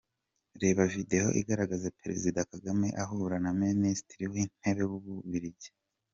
Reba Video igaragaza Perezida Kagame ahura na Minisitiri w’Intebe w’Ububiligi.